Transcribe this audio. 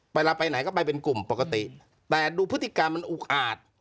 เวลาไปไหนก็ไปเป็นกลุ่มปกติแต่ดูพฤติกรรมมันอุกอาจ